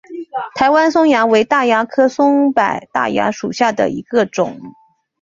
台湾松蚜为大蚜科松柏大蚜属下的一个种。